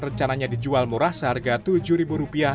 rencananya dijual murah seharga tujuh rupiah